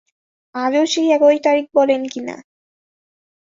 আজও সেই একই তারিখ বলেন কি না।